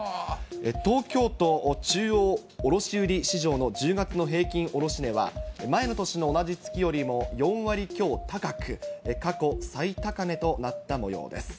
東京都中央卸売市場の１０月の平均卸値は、前の年の同じ月よりも４割強高く、過去最高値となったもようです。